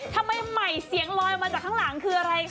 ทำไมใหม่เสียงลอยมาจากข้างหลังคืออะไรคะ